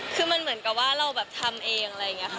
คือมันเหมือนกับว่าเราแบบทำเองอะไรอย่างนี้ค่ะ